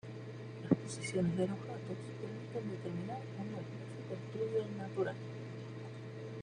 Las posiciones de los gatos permiten determinar un magnífico estudio del natural.